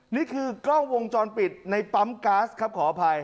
นี่คือกล้องวงจรปิดในปั๊มก๊าซครับขออภัย